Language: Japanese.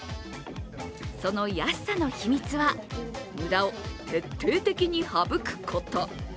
その安さの秘密は無駄を徹底的に省くこと。